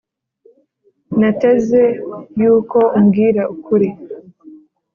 nateze yuko umbwira ukuri